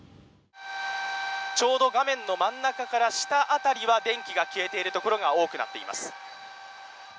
ちょうど画面の真ん中から下辺りは電気が消えている所が多くなっています。